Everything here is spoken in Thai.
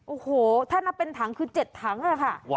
โอ้โหถ้ามาเป็นถังคือ๗ถังแล้วค่ะ